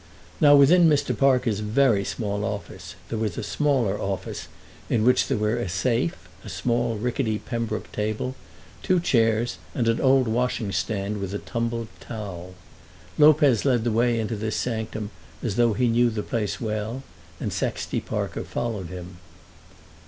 Now within Mr. Parker's very small office there was a smaller office in which there were a safe, a small rickety Pembroke table, two chairs, and an old washing stand with a tumbled towel. Lopez led the way into this sanctum as though he knew the place well, and Sexty Parker followed him.